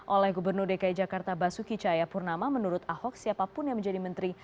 oleh gubernur dki jakarta basuki cayapurnama menurut ahok siapapun yang menjadi menteri